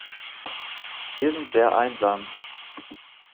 Wir sind sehr einsam.